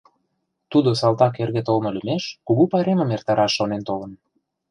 Тудо салтак эрге толмо лӱмеш кугу пайремым эртараш шонен толын.